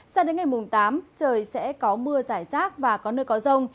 sao đến ngày tám trời sẽ có mưa rải rác và có nơi có rông